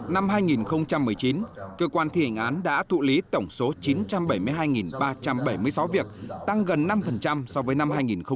năm hai nghìn một mươi chín cơ quan thi hành án đã thụ lý tổng số chín trăm bảy mươi hai ba trăm bảy mươi sáu việc tăng gần năm so với năm hai nghìn một mươi tám